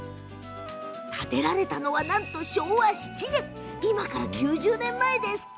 建てられたのは、なんと昭和７年今から９０年前です。